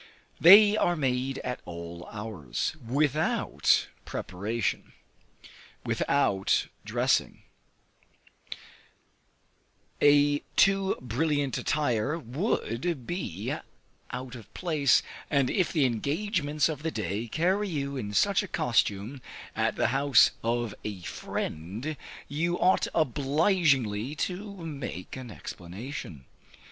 They are made at all hours, without preparation, without dressing; a too brilliant attire would be out of place, and if the engagements of the day carry you in such a costume at the house of a friend, you ought obligingly to make an explanation.